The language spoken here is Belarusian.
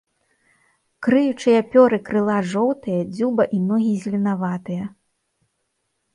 Крыючыя пёры крыла жоўтыя, дзюба і ногі зеленаватыя.